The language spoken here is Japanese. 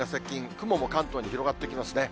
雲も関東に広がってきますね。